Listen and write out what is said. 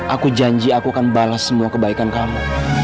aku janji aku akan balas semua kebaikan kamu